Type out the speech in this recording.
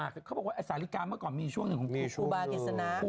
เขาบอกว่าสาฬิกาเมื่อก่อนมีช่วงหนึ่งของครูบากิจสนะ